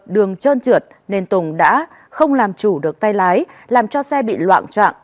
đường trơn trượt nên tùng đã không làm chủ được tay lái làm cho xe bị loạn trạng